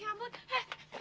ya ampun eh